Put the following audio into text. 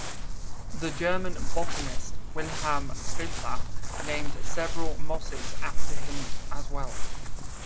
The German botanist Wilhelm Schimper named several mosses after him as well.